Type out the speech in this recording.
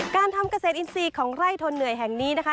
การทำเกษตรอินทรีย์ของไร่ทนเหนื่อยแห่งนี้นะคะ